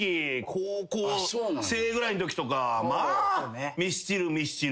高校生ぐらいのときとかまあミスチルミスチル。